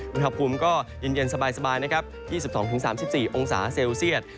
อุณหภูมิก็เย็นสบายนะครับ๒๒๓๔องศาเซลเซียต